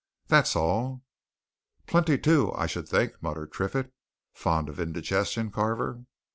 That's all." "Plenty too, I should think!" muttered Triffitt. "Fond of indigestion, Carver?"